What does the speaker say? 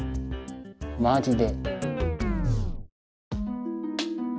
マジで。